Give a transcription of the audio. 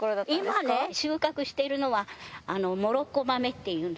今ね、収穫しているのはモロッコ豆っていうの。